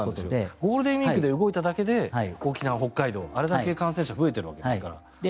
ゴールデンウィークで動いただけで沖縄、北海道で感染者が増えているから。